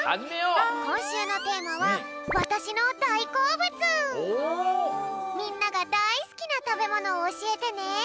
こんしゅうのテーマはみんながだいすきなたべものをおしえてね。